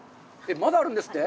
まだあるんですって？